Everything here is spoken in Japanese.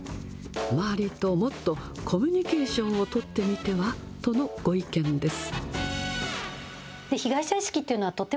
周りともっとコミュニケーションを取ってみてはとのご意見です。